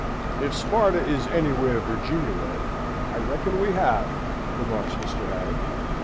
"If Sparta is anywhere Virginia way, I reckon we have," remarks Mr. Harry.